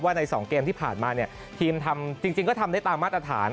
ใน๒เกมที่ผ่านมาเนี่ยทีมทำจริงก็ทำได้ตามมาตรฐาน